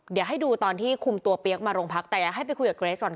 เดี๋ยวให้ดูตอนที่คุมตัวเปี๊ยกมาโรงพักแต่อยากให้ไปคุยกับเกรสก่อนค่ะ